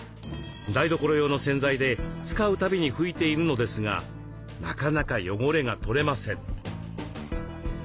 台所用の洗剤で使うたびに拭いているのですがなかなか汚れが取れません。